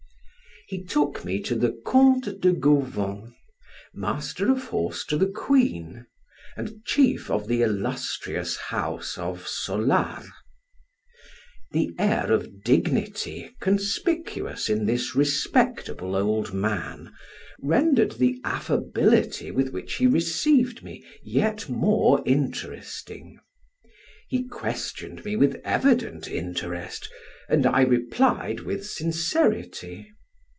He took me to the Count de Gauvon, Master of the Horse to the Queen, and Chief of the illustrious House of Solar. The air of dignity conspicuous in this respectable old man, rendered the affability with which he received me yet more interesting. He questioned me with evident interest, and I replied with sincerity.